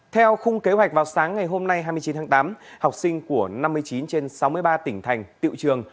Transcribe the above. theo khung kế hoạch vào sáng ngày hôm nay hai mươi chín tháng tám học sinh của năm mươi chín trên sáu mươi ba tỉnh thành tiệu trường